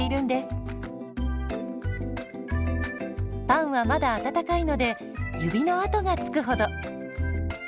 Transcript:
パンはまだ温かいので指の跡がつくほど。